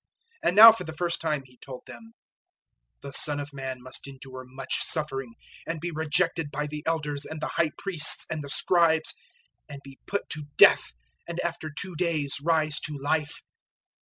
008:031 And now for the first time He told them, "The Son of Man must endure much suffering, and be rejected by the Elders and the High Priests and the Scribes, and be put to death, and after two days rise to life."